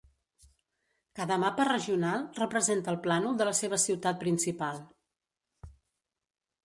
Cada mapa regional representa el plànol de la seva ciutat principal.